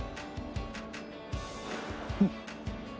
うん！